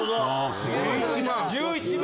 １１万。